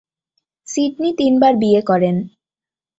Sydney তিনবার বিয়ে করেন।